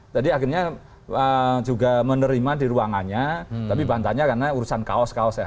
tadi akhirnya juga menerima di ruangannya tapi bantahnya karena urusan kaos kaos ya